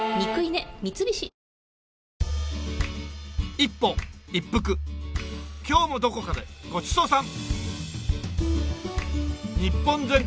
一歩いっぷく今日もどこかでごちそうさん！